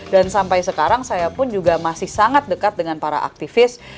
sampai sekarang saya pun juga masih sangat dekat dengan para aktivis